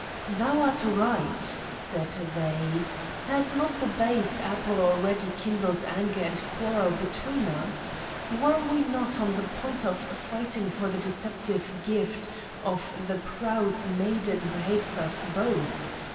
"Thou art right," said they, "has not the base apple already kindled anger and quarrel between us? Were we not on the point of fighting for the deceptive gift of the proud maiden who hates us both?